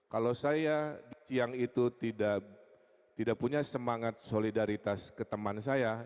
kalau saya siang itu tidak punya semangat solidaritas ke teman saya